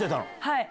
はい。